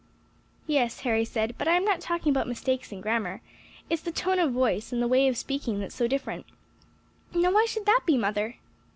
"Yes," Harry said; "but I am not talking about mistakes in grammar; it's the tone of voice, and the way of speaking that's so different. Now why should that be, mother?"